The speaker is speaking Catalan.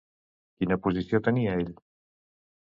Quina posició tenia ell?